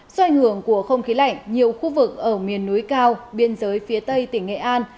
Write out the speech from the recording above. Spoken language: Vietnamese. do ảnh hưởng của không khí lạnh nhiều khu vực ở miền núi cao biên giới phía tây tỉnh nghệ an